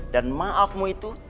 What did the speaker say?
dan maafmu itu